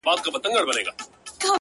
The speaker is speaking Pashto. لكه گلاب چي سمال ووهي ويده سمه زه ـ